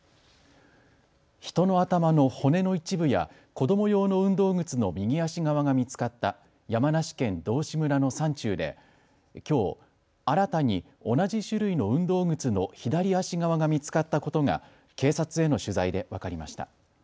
人の頭の骨の一部や子ども用の運動靴の右足側が見つかった山梨県道志村の山中できょう新たに同じ種類の運動靴の左足側が見つかったことが警察への取材で分かりました。